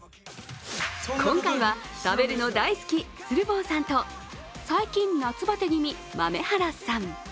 今回は食べるの大好き、鶴房さんと最近、夏バテ気味、豆原さん。